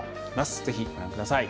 ぜひ、ご覧ください。